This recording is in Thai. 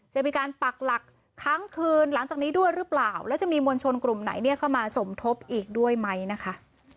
จะมีการปักหลักครั้งคืนหลังจากนี้ด้วยหรือเปล่าแล้วจะมีมวลชนกลุ่มไหนเนี่ยเข้ามาสมทบอีกด้วยไหมนะคะ